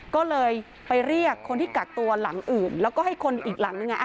ก็เลยไปเรียกคนที่กักตัวหลังอื่นแล้วก็ให้คนอีกหลังนึง